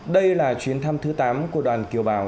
đây là chuyến thăm thứ tám của đoàn kiều bào